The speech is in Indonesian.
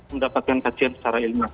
mendapatkan kajian secara ilmiah